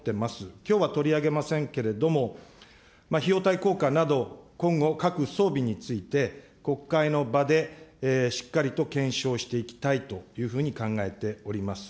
きょうは取り上げませんけれども、費用対効果など、今後、各装備について、国会の場でしっかりと検証していきたいというふうに考えております。